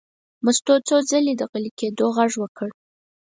مستو څو ځلې د غلي کېدو غږ وکړ.